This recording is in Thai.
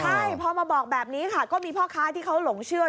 ใช่พอมาบอกแบบนี้ค่ะก็มีพ่อค้าที่เขาหลงเชื่อ